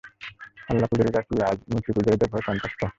আল্লাহ্ পূজারীরা কি আজ মূর্তি-পূজারীদের ভয়ে সন্ত্রস্ত?